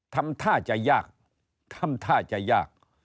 ทำท่าจะยากทำท่าจะยาก